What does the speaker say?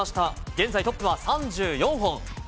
現在、トップは３４本。